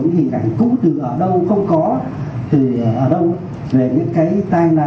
hình ảnh cũ từ ở đâu không có từ ở đâu về những cái tai nạn